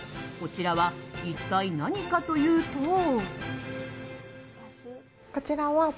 こちらは一体何かというと。